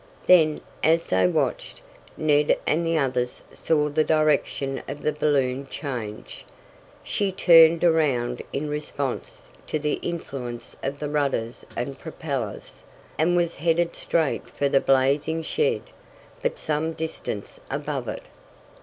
Then, as they watched, Ned and the others saw the direction of the balloon change. She turned around in response to the influence of the rudders and propellers, and was headed straight for the blazing shed, but some distance above it.